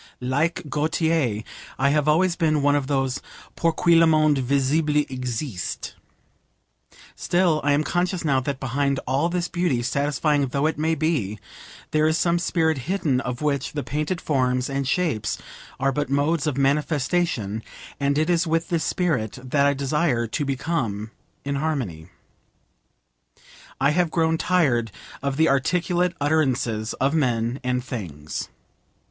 Like Gautier, I have always been one of those 'pour qui le monde visible existe.' Still, I am conscious now that behind all this beauty, satisfying though it may be, there is some spirit hidden of which the painted forms and shapes are but modes of manifestation, and it is with this spirit that I desire to become in harmony. I have grown tired of the articulate utterances of men and things.